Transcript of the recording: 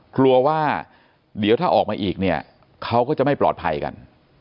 กลัวว่าเดี๋ยวถ้าออกมาอีกเนี่ยเขาก็จะไม่ปลอดภัยกัน